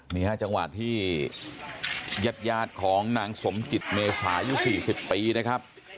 มี๕จังหวัดที่ยัดยาดของนางสมจิตเมษายู่๔๐ปีนะครับ